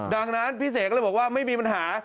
ดังนั้นพี่เสกก็เลยบอกว่าไม่มีปัญหา